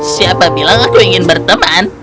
siapa bilang aku ingin berteman